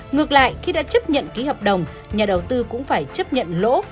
ngược lại khi đã chấp nhận ký hợp đồng nhà đầu tư cũng phải chấp nhận lỗ